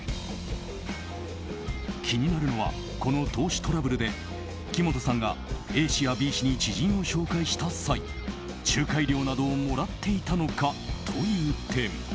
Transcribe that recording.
気になるのはこの投資トラブルで木本さんがＡ氏やＢ氏に知人を紹介した際仲介料などをもらっていたのかという点。